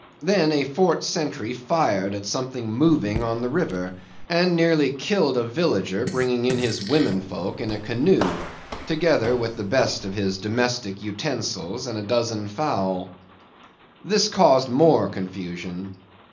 Then a fort sentry fired at something moving on the river, and nearly killed a villager bringing in his women folk in a canoe together with the best of his domestic utensils and a dozen fowls. This caused more confusion.